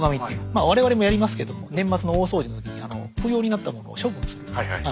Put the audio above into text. まあ我々もやりますけども年末の大掃除の時にあの不要になったものを処分する。